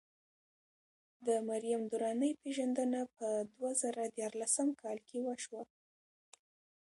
د مریم درانۍ پېژندنه په دوه زره ديارلسم کال کې وشوه.